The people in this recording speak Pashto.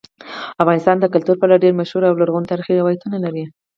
افغانستان د کلتور په اړه ډېر مشهور او لرغوني تاریخی روایتونه لري.